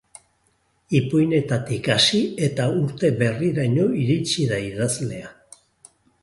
Ipuinetatik hasi, eta urte berriraino iritsi da idazlea.